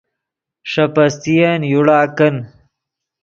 ݰے پستین یوڑا کن